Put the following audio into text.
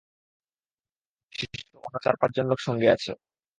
শিষ্য ও অন্য চার-পাঁচ জন লোক সঙ্গে আছে।